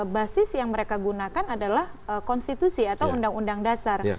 basis yang mereka gunakan adalah konstitusi atau undang undang dasar